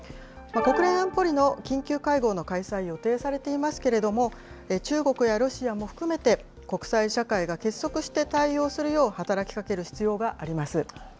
国連安保理の緊急会合の開催、予定されていますけれども、中国やロシアも含めて、国際社会が結束して対応するよう働きかける必要があります。